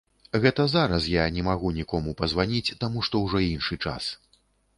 Гэта зараз я не магу нікому пазваніць, таму што ўжо іншы час.